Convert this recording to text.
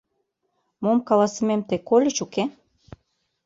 — Мом каласымем тый кольыч, уке?